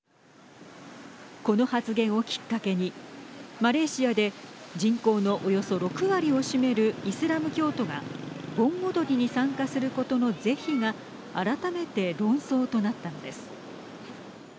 この発言をきっかけにマレーシアで人口のおよそ６割を占めるイスラム教徒が盆踊りに参加することの是非が改めて論争となったのです。